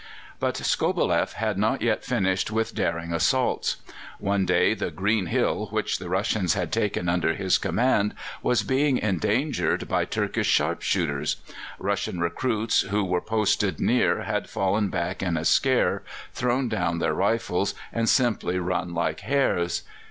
But Skobeleff had not yet finished with daring assaults. One day the "Green Hill," which the Russians had taken under his command, was being endangered by Turkish sharp shooters. Russian recruits who were posted near had fallen back in a scare, thrown down their rifles, and simply run like hares.